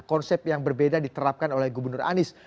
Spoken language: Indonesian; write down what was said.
konsep yang berbeda diterapkan oleh gubernur anies